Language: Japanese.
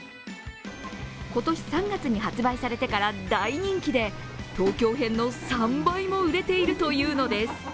今年３月に発売されてから大人気で東京編の３倍も売れているというのです。